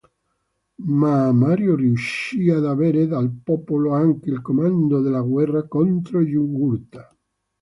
Ma Mario riuscì ad avere dal popolo anche il comando della guerra contro Giugurta.